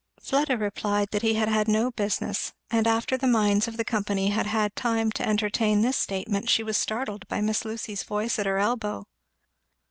Fleda replied that he had had no business; and after the minds of the company had had time to entertain this statement she was startled by Miss Lucy's voice at her elbow.